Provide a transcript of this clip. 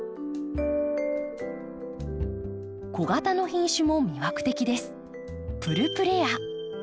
小型の品種も魅惑的です。